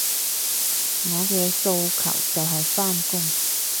我嘅訴求就係返工